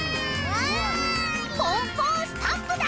ポンポンスタンプだ！